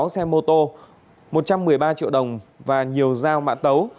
sáu xe mô tô một trăm một mươi ba triệu đồng và nhiều dao mã tấu